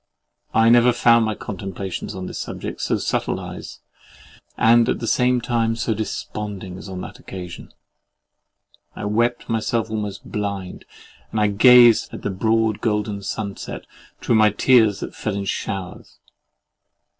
I never found my contemplations on this subject so subtilised and at the same time so desponding as on that occasion. I wept myself almost blind, and I gazed at the broad golden sunset through my tears that fell in showers.